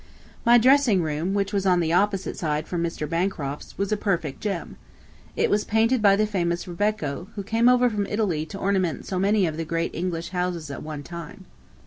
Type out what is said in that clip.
My dressing room, which was on the opposite side from Mr. Bancroft's, was a perfect gem. It was painted by the famous Rebecco who came over from Italy to ornament so many of the great English houses at one time.